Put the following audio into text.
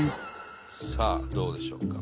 さあどうでしょうか。